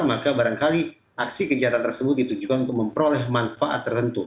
maka barangkali aksi kejahatan tersebut ditujukan untuk memperoleh manfaat tertentu